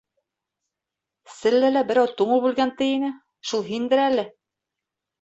- Селләлә берәү туңып үлгән, ти ине, шул һиндер әле.